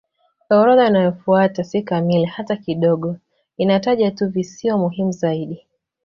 Orodha inayofuata si kamili hata kidogo; inataja tu visiwa muhimu zaidi.